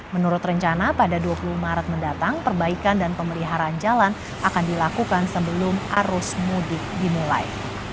menurut rencana pada dua puluh maret mendatang perbaikan dan pemeliharaan jalan akan dilakukan sebelum arus mudik dimulai